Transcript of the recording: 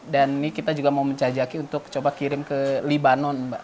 dan ini kita juga mau mencajaki untuk coba kirim ke libanon mbak